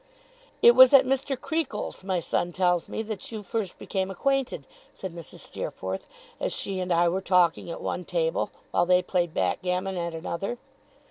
'It was at Mr. Creakle's, my son tells me, that you first became acquainted,' said Mrs. Steerforth, as she and I were talking at one table, while they played backgammon at another.